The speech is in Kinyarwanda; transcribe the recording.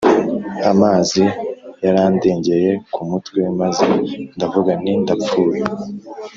Amazi yarandengeye ku mutwe, Maze ndavuga nti “Ndapfuye.”